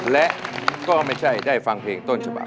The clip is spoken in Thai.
และก็ไม่ใช่ได้ฟังเพลงต้นฉบับ